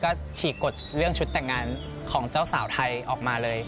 ก็ฉีกกดเรื่องชุดแต่งงานของเจ้าสาวไทยออกมาเลย